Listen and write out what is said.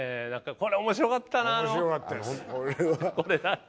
これ面白かった。